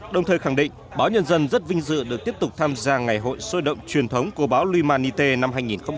đồng thời khẳng định báo nhân dân rất vinh dự được tiếp tục tham gia ngày hội xôi động truyền thống của báo lui man nhi tê năm hai nghìn một mươi bảy